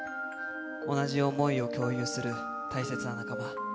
同じ想いを共有する大切な仲間。